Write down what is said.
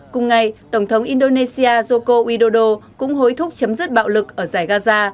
cùng ngày tổng thống indonesia joko widodo cũng hối thúc chấm dứt bạo lực ở giải gaza